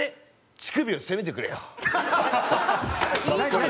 「乳首を責めてくれよ」。